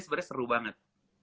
sebenernya seru banget